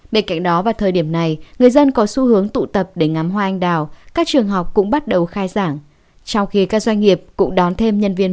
bên cạnh đó vào thời điểm này người dân có xu hướng tụ tập để ngắm hoa anh đào các trường học cũng bắt đầu khai giảng trong khi các doanh nghiệp cũng đón thêm nhân viên